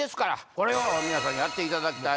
これを皆さんにやっていただきたい。